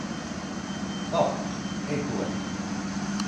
Labi. Ej gulēt.